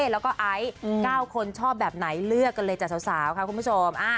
แล้วก็ไอซ์๙คนชอบแบบไหนเลือกกันเลยจากสาวค่ะคุณผู้ชม